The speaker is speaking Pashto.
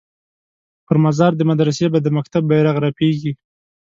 پر مزار د مدرسې به د مکتب بیرغ رپیږي